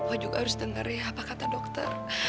pak juga harus dengar ya apa kata dokter